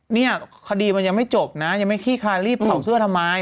เนี่ยคดีมันยังไม่จบนะยังไม่ขี้คลายรีบเผาเสื้อทำไม